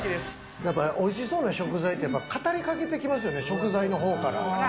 やっぱりおいしそうな食材って語りかけてきますよね、食材のほうから。